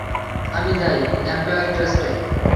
আমি যাই এম্পায়ার স্টেটে।